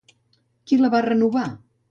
Qui la va renovar?